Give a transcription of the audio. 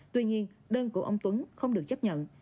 tuy nhiên đơn của ông tuấn không được chấp nhận